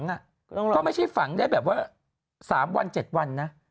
ก็ไม่ใช่ฝังได้แบบว่า๓วัน๗วันนะ